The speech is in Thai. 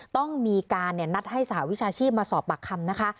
ต้องมีการนัดให้สหวิชาชีพมาสอบปากคำนะคะ